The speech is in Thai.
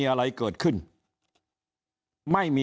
ยิ่งอาจจะมีคนเกณฑ์ไปลงเลือกตั้งล่วงหน้ากันเยอะไปหมดแบบนี้